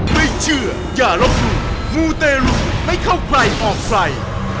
ไม่เชื่ออย่าลบหลู่มูเตรุไม่เข้าใครออกใคร